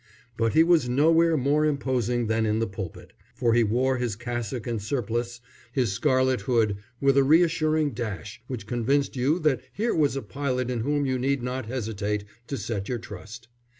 But he was nowhere more imposing than in the pulpit; for he wore his cassock and surplice, his scarlet hood, with a reassuring dash which convinced you that here was a pilot in whom you need not hesitate to set your trust.